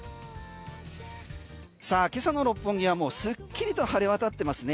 今朝の六本木はもうすっきりと晴れ渡ってますね。